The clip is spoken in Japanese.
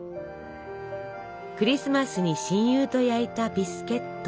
クリスマスに親友と焼いたビスケット。